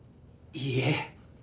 いいえ。